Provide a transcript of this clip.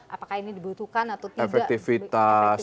apakah ini dibutuhkan atau tidak